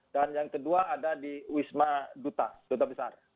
dan yang kedua ada di wisma duta duta besar